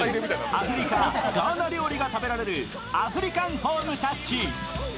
アフリカ・ガーナ料理が食べられるアフリカンホームタッチ。